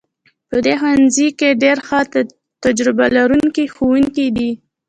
په دې ښوونځي کې ډیر ښه او تجربه لرونکي ښوونکي دي